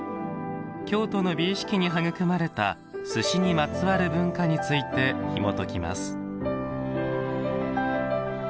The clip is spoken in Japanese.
京都の美意識に育まれた寿司にまつわる文化についてひもときます。